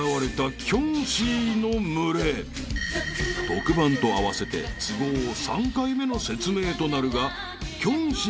［特番と合わせて都合３回目の説明となるが］